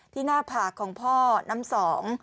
หน้าผากของพ่อน้ำสอง